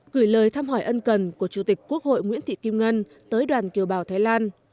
gửi lời thăm hỏi ân cần của chủ tịch quốc hội nguyễn thị kim ngân tới đoàn kiều bào thái lan